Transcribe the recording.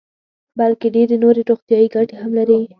بلکې ډېرې نورې روغتیايي ګټې هم لري.